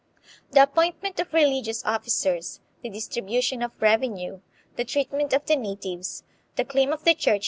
The appointment of religious officers; the distribution of reve i| nue; the treatment of the natives; the claim of the church!